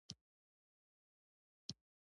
د سړک پر غاړه د میوو او ترکاریو دوکانونه وو.